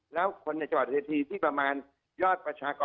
แล้วคนในจังหวัดเวทีที่ประมาณยอดประชากร